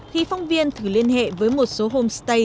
khi phong viên thử liên hệ với một số homestay